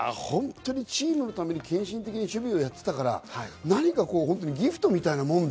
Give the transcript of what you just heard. チームのために献身的に守備してたから、何かギフトみたいなもので。